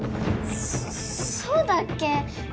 そそうだっけ？